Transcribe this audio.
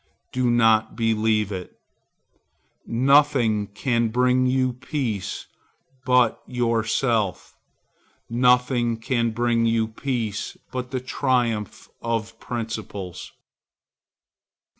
Do not believe it. Nothing can bring you peace but yourself. Nothing can bring you peace but the triumph of principles.